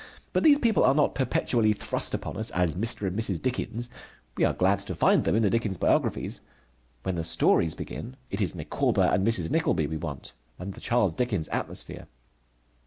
But these people are not perpetually thrust upon us as Mr. and Mrs. Dickens. We are glad to find them in the Dickens biographies. When the stories begin, it is Micawber and Mrs. Nickleby we want, and the Charles Dickens atmosphere.